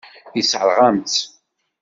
Yessṛeɣ-am-tt.